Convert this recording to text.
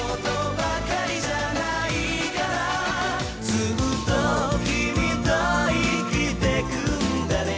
「ずっと君と生きてくんだね」